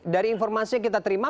dari informasi yang kita terima